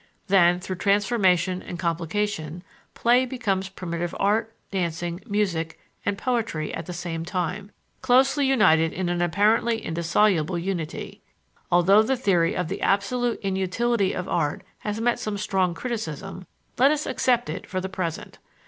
Then, through transformation and complication, play becomes primitive art, dancing, music, and poetry at the same time, closely united in an apparently indissoluble unity. Although the theory of the absolute inutility of art has met some strong criticism, let us accept it for the present.